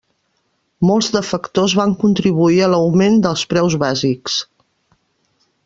Molts de factors van contribuir a l'augment dels preus bàsics.